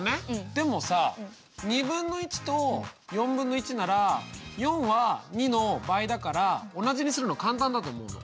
でもさとなら４は２の倍だから同じにするの簡単だと思うの。